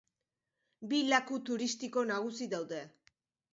Bi laku turistiko nagusi daude.